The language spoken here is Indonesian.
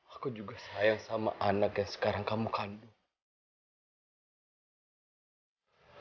aku juga sayang sama anak yang sekarang kamu kandung